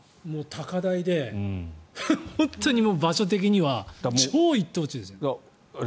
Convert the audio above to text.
高台で、本当に場所的には超一等地ですよ。